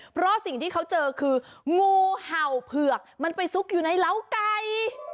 เพราะสิ่งที่เขาเจอคืองูเห่าเผือกมันไปซุกอยู่ในเหล้าไก่